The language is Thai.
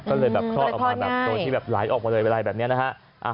ก็เลยแบบคลอดออกมาแบบโดยที่แบบไหลออกมาเลยเวลาแบบนี้นะฮะ